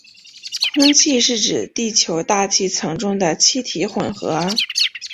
空气是指地球大气层中的气体混合。